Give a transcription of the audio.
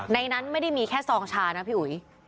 นั้นไม่ได้มีแค่ซองชานะพี่อุ๋ย